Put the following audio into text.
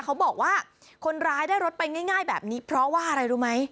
เขาบอกว่าคนร้ายได้รถไปง่ายแบบนี้เพราะว่าอะไรรู้ไหม